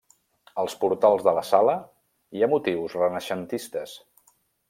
Als portals de la sala hi ha motius renaixentistes.